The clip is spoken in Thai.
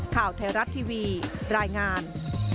ข่าวไทยรัฐทีวีรายงาน